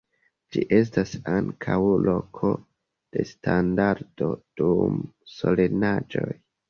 Ĝi estas ankaŭ loko de standardo dum solenaĵoj.